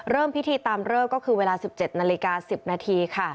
เริ่มพิธีตามเลิกก็คือเวลา๑๗นาฬิกา๑๐นาทีค่ะ